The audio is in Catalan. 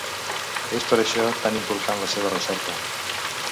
És per això tan important la seva recerca.